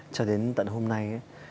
cho đến tận hôm nay ấy